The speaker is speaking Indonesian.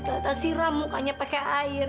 kata siram mukanya pakai air